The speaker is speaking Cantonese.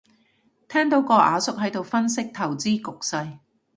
聽到個阿叔喺度分析投資局勢